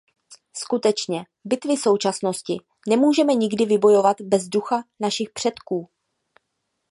Skutečně, bitvy současnosti nemůžeme nikdy vybojovat bez ducha našich předků.